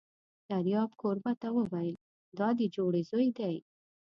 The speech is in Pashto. دریاب کوربه ته وویل: دا دې جوړې زوی دی!